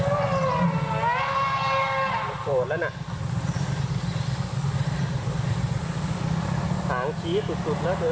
ทางวางใชี้ปลุดปลุดนะเกอร์